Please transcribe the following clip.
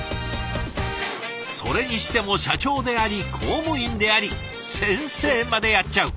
それにしても社長であり公務員であり先生までやっちゃう。